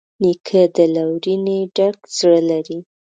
نیکه د لورینې ډک زړه لري.